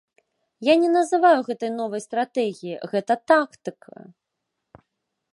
Я не называю гэта новай стратэгіяй, гэта тактыка.